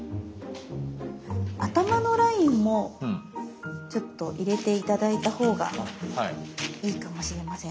頭のラインもちょっと入れて頂いたほうがいいかもしれません。